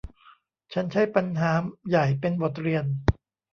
ฉันใช้ปัญหาใหญ่เป็นบทเรียน